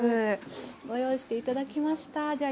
ご用意していただきました。